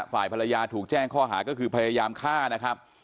ฝ่ายภรรยาถูกแจ้งข้อหาก็คือพยายามฆ่านะครับ